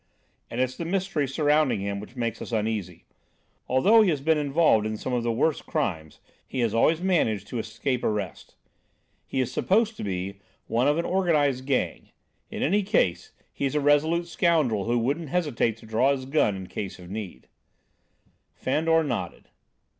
"And it's the mystery surrounding him which makes us uneasy. Although he has been involved in some of the worst crimes, he has always managed to escape arrest. He is supposed to be one of an organised gang. In any case, he's a resolute scoundrel who wouldn't hesitate to draw his gun in case of need." Fandor nodded.